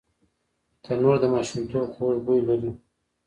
تنور د ماشومتوب خوږ بوی لري